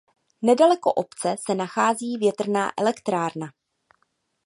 Nedaleko obce se nachází větrná elektrárna.